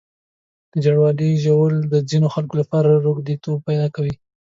د ژاولې ژوول د ځینو خلکو لپاره روږديتوب پیدا کوي.